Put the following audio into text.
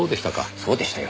そうでしたよ。